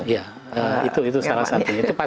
ya itu salah satunya